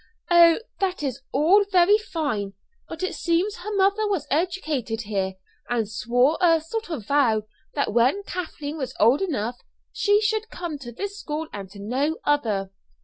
"Oh, that is all very fine; but it seems her mother was educated here, and swore a sort of vow that when Kathleen was old enough she should come to this school and to no other.